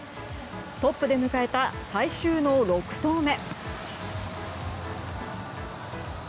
トップで迎えた最終の６投目。